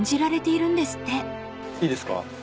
いいですか？